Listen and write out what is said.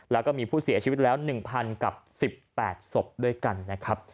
แล้วก็มีผู้เสียชีวิตแล้ว๑๐๐กับ๑๘ศพด้วยกันนะครับ